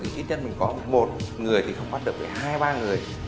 thì ít nhất mình có một người thì không bắt được hai ba người